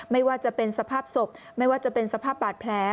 ไม่ว่าจะเป็นสภาพศพไม่ว่าจะเป็นสภาพบาดแผล